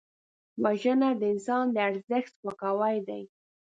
وژنه د انسان د ارزښت سپکاوی دی